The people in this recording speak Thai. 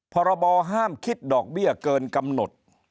พรบห้ามคิดดอกเบี้ยเกินกำหนด